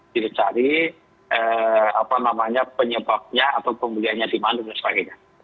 jadi cari apa namanya penyebabnya atau pemulihannya di mana dan sebagainya